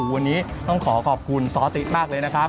วันนี้ต้องขอขอบคุณซ้อติมากเลยนะครับ